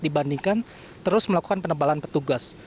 dibandingkan terus melakukan penebalan petugas